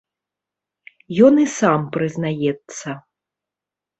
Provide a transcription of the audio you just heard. Ён і сам прызнаецца.